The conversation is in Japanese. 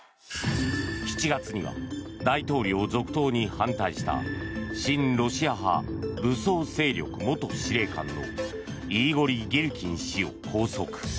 ７月には、大統領続投に反対した親ロシア派武装勢力元司令官のイーゴリ・ギルキン氏を拘束。